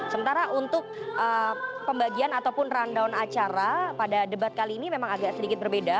sementara untuk pembagian ataupun rundown acara pada debat kali ini memang agak sedikit berbeda